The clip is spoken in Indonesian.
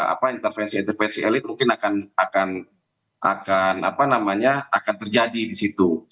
apa intervensi intervensi elit mungkin akan terjadi di situ